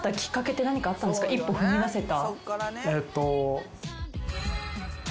一歩踏み出せた。